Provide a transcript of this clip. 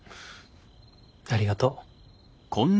ありがとう。